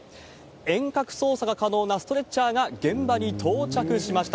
遠隔操作が可能なストレッチャーが現場に到着しました。